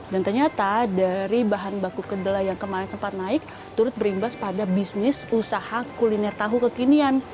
dan ternyata dari bahan baku kedela yang kemarin sempat naik turut berimbas pada bisnis usaha kuliner tahu kekinian